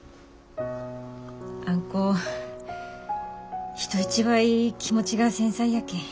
あん子人一倍気持ちが繊細やけん。